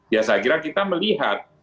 ya saya kira kita melihat